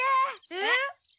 えっ？